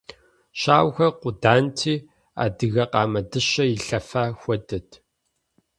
Щауэхэр къуданти, адыгэ къамэ дыщэ илъэфа хуэдэт.